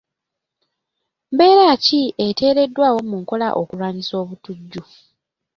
Mbeera ki eteereddwawo mu nkola okulwanyisa obutujju?